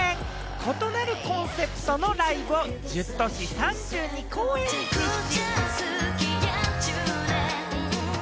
異なるコンセプトのライブを１０都市３２公演実施。